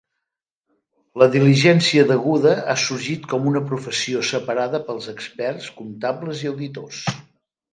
La diligència deguda ha sorgit com una professió separada pels experts comptables i auditors.